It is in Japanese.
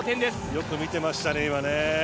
よく見ていましたね、今。